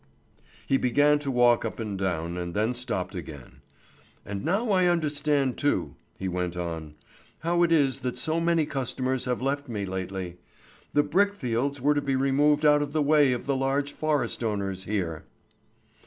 He began to walk up and down, and then stopped again. "And now I understand too," he went on, "how it is that so many customers have left me lately. The brickfields were to be removed out of the way of the large forest owners here."